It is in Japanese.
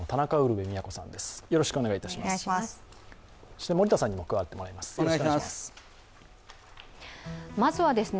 そして森田さんにも加わってもらいます。